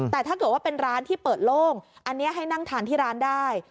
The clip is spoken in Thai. แต่ถ้าเกิดว่าเป็นร้านที่เปิดโล่งอันนี้ให้นั่งทานที่ร้านได้